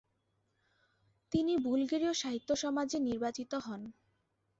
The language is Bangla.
তিনি বুলগেরীয় সাহিত্য সমাজ– এ নির্বাচিত হন।